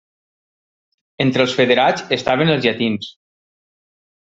Entre els federats estaven els llatins.